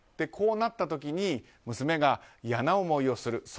こうなった時に娘が嫌な思いをする。